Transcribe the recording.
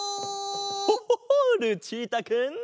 ホホホルチータくん！